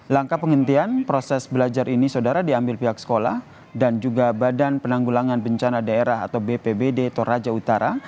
langkah penghentian proses belajar ini saudara diambil pihak sekolah dan juga badan penanggulangan bencana daerah atau bpbd toraja utara